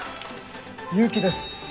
結城です。